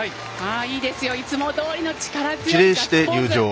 いいですよ。いつもどおりの力強いガッツポーズ。